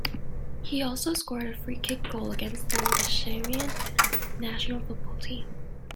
He also scored a free-kick goal against the Liechtenstein national football team.